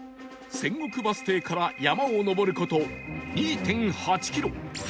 仙石バス停から山を上る事 ２．８ キロ